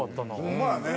ホンマやね。